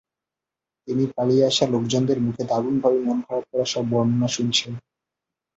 তিনি পালিয়ে আসা লোকজনের মুখে দারুণভাবে মন খারাপ করা সব বর্ণনা শুনেছেন।